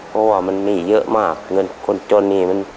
เพราะว่ามันมีเยอะมากเงินคนจนนี่มัน